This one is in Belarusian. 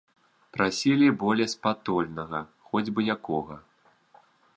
Прасілі болеспатольнага, хоць бы якога.